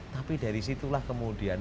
tapi dari situlah kemudian